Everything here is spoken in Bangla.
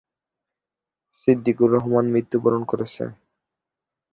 সিদ্দিকুর রহমান মৃত্যুবরণ করেছেন।